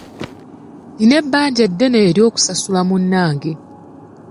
Nina ebbanja ddene oly'okusasulira munnange.